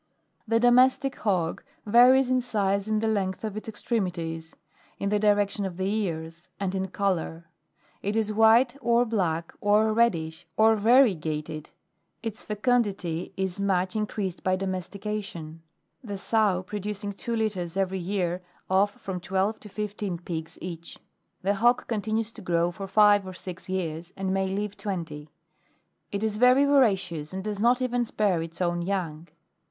6. The Domestic Hog, varies in size, in the length of its ex tremities, in the direction of its ears and in colour ; it is white or black, or reddish, or variegated : its fecundity is much in creased by domestication, the sow producing two litters every year of from twelve to fifteen pigs each. The hog continues to grow for five or six years, and may live twenty. It is very voracious, and does not even spare its own young.